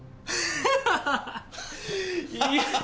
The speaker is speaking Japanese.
ハハハハ！